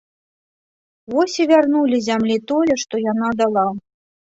Вось і вярнулі зямлі тое, што яна дала.